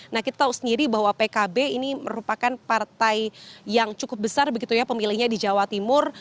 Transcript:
nah kita tahu sendiri bahwa pkb ini merupakan partai yang cukup besar begitu ya pemilihnya di jawa timur